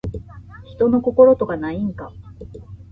人の心とかないんか